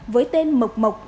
với tên mộc mộc